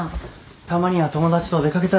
たまには友達と出掛けたら？